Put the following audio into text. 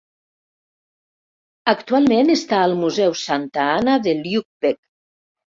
Actualment està al Museu Santa Anna de Lübeck.